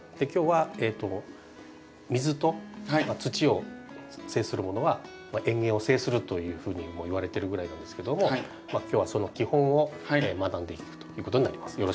今日は水と土を制するものは園芸を制するというふうにもいわれてるぐらいなんですけども今日はその基本を学んでいくということになります。